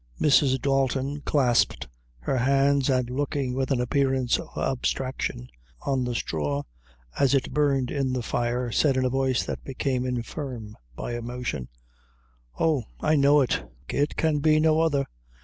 Mrs. Dalton clasped her hands, and looking with an appearance of abstraction, on the straw as it burned in the fire, said in a voice that became infirm by emotion "Oh! I know it; it can be no other.